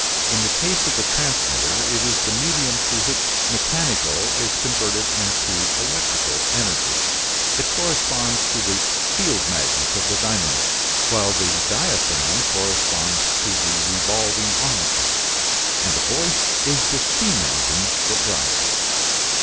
In the case of the transmitter it is the medium through which mechanical is converted into electrical energy. It corresponds to the field magnet of the dynamo, while the diaphragm corresponds to the revolving armature, and the voice is the steam engine that drives it.